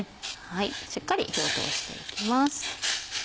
しっかり火を通していきます。